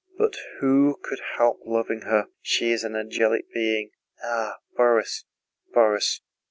"But who could help loving her? She is an angelic being! Ah, Borís, Borís!"